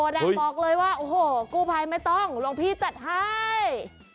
แดงบอกเลยว่าโอ้โหกู้ภัยไม่ต้องหลวงพี่จัดให้